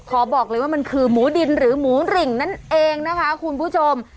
ขอบอกเลยว่ามันคือหมูดินหรือหมูหริงนั่นเองนะคะคุณผู้ชม